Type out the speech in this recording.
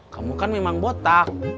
kamu kan memang botak